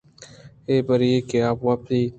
اے بری کہ آپ ءَ وپت